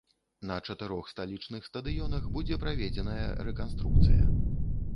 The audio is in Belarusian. На чатырох сталічных стадыёнах будзе праведзеная рэканструкцыя.